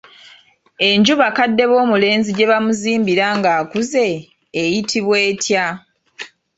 Enju bakadde b'omulenzi gye bamuzimbira ng'akuze eyitibwa etya?